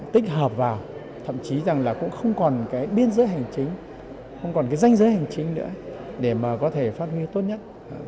tích hợp vào thậm chí là cũng không còn biên giới hành chính không còn danh giới hành chính nữa để có thể phát huy tốt nhất